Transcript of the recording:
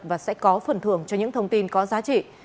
và sẽ có phần thưởng cho những thông tin có giá trị